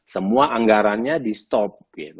semua anggarannya di stop